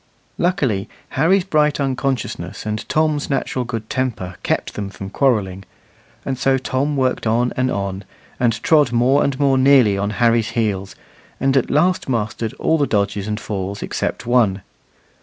Luckily Harry's bright unconsciousness and Tom's natural good temper kept them from quarrelling; and so Tom worked on and on, and trod more and more nearly on Harry's heels, and at last mastered all the dodges and falls except one.